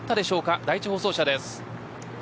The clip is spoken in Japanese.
第１放送車です。